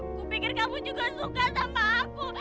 aku pikir kamu juga suka sama aku